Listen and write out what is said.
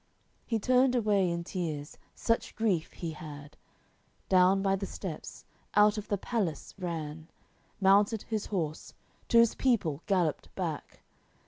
He turned away in tears, such grief he had. Down by the steps, out of the palace ran, Mounted his horse, to's people gallopped back.